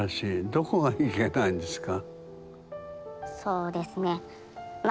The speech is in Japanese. どこがいけないんですか？